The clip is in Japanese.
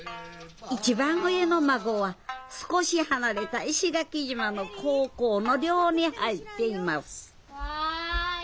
一番上の孫は少し離れた石垣島の高校の寮に入っています